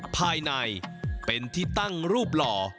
ภายในเป็นที่ตั้งรูปหล่อ